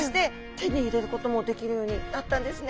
手に入れることもできるようになったんですね。